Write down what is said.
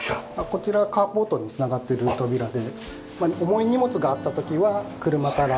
こちらはカーポートに繋がっている扉で重い荷物があった時は車から荷物